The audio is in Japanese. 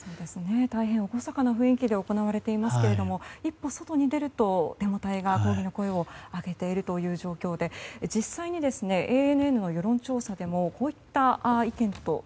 大変、厳かな雰囲気で行われていますが一歩外に出るとデモ隊が抗議の声を上げているという状況で、実際にＡＮＮの世論調査でもこういった意見です。